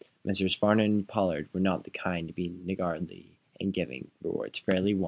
Messrs. Farnum and Pollard were not of the kind to be niggardly in giving rewards fairly won.